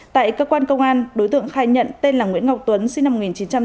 tại cơ quan công an đối tượng khai nhận tên là nguyễn ngọc tuấn sinh năm một nghìn chín trăm tám mươi